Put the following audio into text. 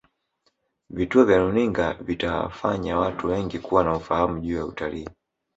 vituo vya runinga vitawafanya watu wengi kuwa na ufahamu juu ya utal